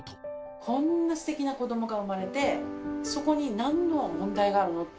こんなすてきな子どもが産まれて、そこになんの問題があるのって。